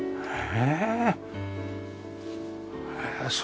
へえ。